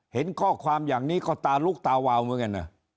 เห็นข้อความอย่างนี้ก็ตาลุกตาวาวเหมือนกันนะ